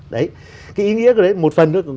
đấy cái ý nghĩa của đấy một phần